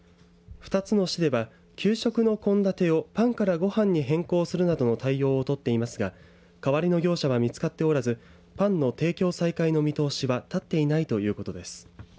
２つの市では、給食の献立をパンからごはんに変更するなどの対応を取っていますが代わりの業者は見つかっておらずパンの提供再開の見通しは立っていないということです。